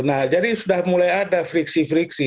nah jadi sudah mulai ada friksi friksi